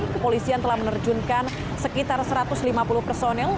kepolisian telah menerjunkan sekitar satu ratus lima puluh personil